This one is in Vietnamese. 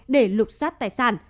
để lục xoát tài sản